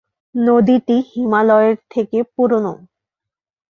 নদীটি হিমালয়ের থেকে পুরানো।